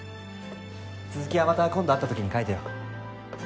続きはまた今度会った時に描いてよ。